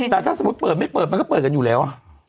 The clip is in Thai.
แต่ถ้าสมมุติเปิดไม่เปิดมันก็เปิดกันอยู่แล้ว